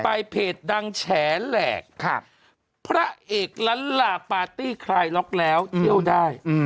ไปเพจดังแฉแหลกพระเอกล้านลาปาร์ตี้คลายล็อกแล้วเที่ยวได้